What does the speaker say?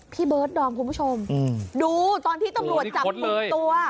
เบิร์ดดอมคุณผู้ชมดูตอนที่ตำรวจจับกลุ่มตัว